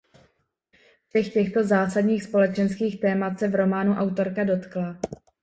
Všech těchto zásadních společenských témat se v románu autorka dotkla.